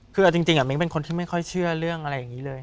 คือเอาจริงมิ้งเป็นคนที่ไม่ค่อยเชื่อเรื่องอะไรอย่างนี้เลย